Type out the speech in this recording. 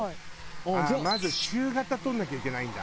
ああまず中型取らなきゃいけないんだ。